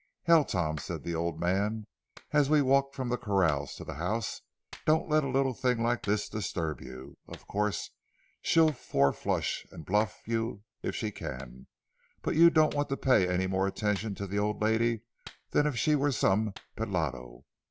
"Hell, Tom," said the old man, as we walked from the corrals to the house, "don't let a little thing like this disturb you. Of course she'll four flush and bluff you if she can, but you don't want to pay any more attention to the old lady than if she was some pelado.